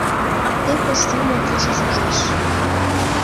Тек Ош Юмо кÿшыч ужеш